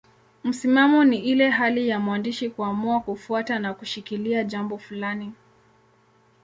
Msimamo ni ile hali ya mwandishi kuamua kufuata na kushikilia jambo fulani.